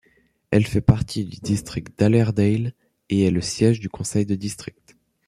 Elle fait partie du district d'Allerdale et est le siège du conseil de district.